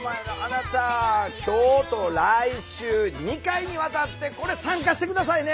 今日と来週２回にわたってこれ参加して下さいね！